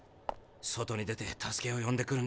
外に出て助けを呼んでくる。